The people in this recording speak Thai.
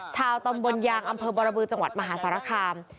ชาวตำบลยางอำเภอบรบือจังหวัดมหาสารคาม